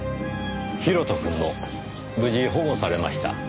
広斗くんも無事保護されました。